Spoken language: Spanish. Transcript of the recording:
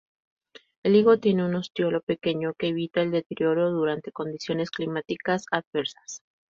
El higo tiene un ostiolo pequeño que evita el deterioro durante condiciones climáticas adversas.